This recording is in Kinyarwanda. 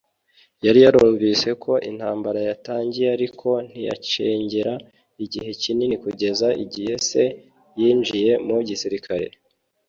Yari yarumvise ko intambara yatangiye ariko ntiyacengera igihe kinini kugeza igihe se yinjiye mu gisirikare